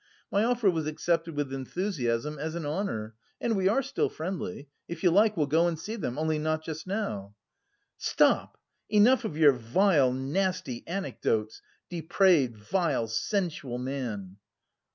My offer was accepted with enthusiasm as an honour and we are still friendly.... If you like, we'll go and see them, only not just now." "Stop! Enough of your vile, nasty anecdotes, depraved vile, sensual man!"